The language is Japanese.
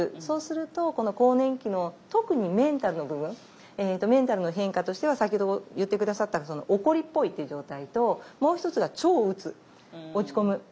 そうすると更年期の特にメンタルの部分メンタルの変化としては先ほど言って下さった怒りっぽいっていう状態ともう一つが超うつ落ち込む。